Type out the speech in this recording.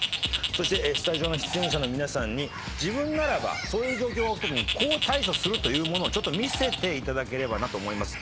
そしてスタジオの出演者の皆さんに自分ならばそういう状況が起きたときにこう対処するというものを見せていただければなと思います。